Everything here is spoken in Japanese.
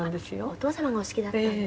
お父様がお好きだったの。